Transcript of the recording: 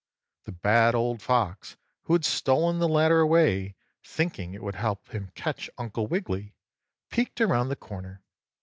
The Bad Old Fox, who had stolen the ladder away, thinking it would help him catch Uncle Wiggily, peeked around the corner.